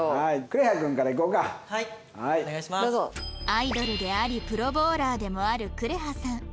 アイドルでありプロボウラーでもあるくれはさん